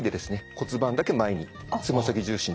骨盤だけ前につま先重心で。